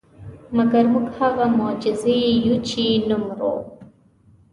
مګر موږ هغه معجزې یو چې نه مرو.